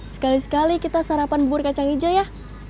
sekali sekali kita sarapan buruk cang ijo ya